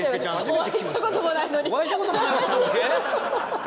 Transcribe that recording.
お会いしたこともないのにちゃん付け？